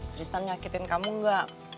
tristan nyakitin kamu gak